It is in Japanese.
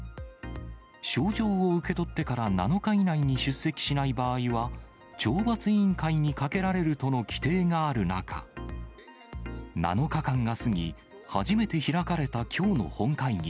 招状を受け取ってから７日以内に出席しない場合は、懲罰委員会にかけられるとの規定がある中、７日間が過ぎ、初めて開かれたきょうの本会議。